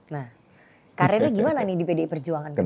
nah karirnya gimana nih di pdi perjuangan ke depan